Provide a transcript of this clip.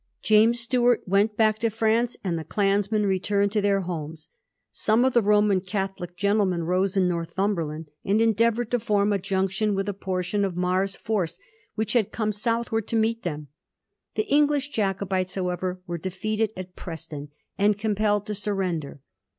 James Stuart went back to France, and the clansmen returned to their homes. Some of the Roman Catholic gentlemen rose in Northumberland, and endeavoured to form a junc tion with a portion of Mar's force which had come southward to meet them. The English Jacobites, however, were defeated at Preston, and compelled to surrender.